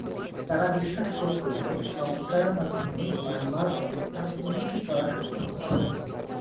তারা বিশ্বাস করত যে সংস্কারের মাধ্যমে বার্মার অবস্থার উন্নতি করা সম্ভব।